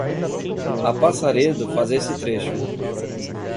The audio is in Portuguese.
A Passaredo faz esse trecho.